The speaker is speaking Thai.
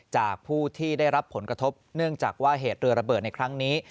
จากผู้ที่ได้รับผลกระทบเนื่องจากว่าเหตุเรือระเบิดในครั้งนี้